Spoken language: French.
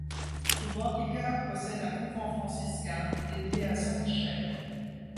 Subotica possède un couvent franciscain dédié à Saint Michel.